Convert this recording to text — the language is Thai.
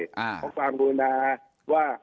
เพราะความรู้นาว่า